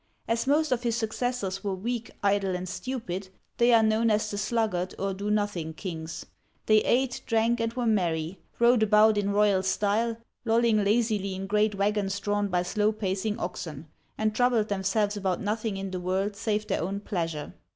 As most of his successors were weak, idle, and stupid, they are known as the Sluggard, or Do nothing, Kings. They ate, drank, and were merry ; rode about in royal style, Digitized by Google MAYORS OF THE PALACE 63 lolling lazily in great wagons drawn by slow pacing oxen ; and troubled themselves about nothing in the world save their own pleasure.